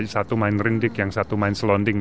satu main rindik yang satu main slonding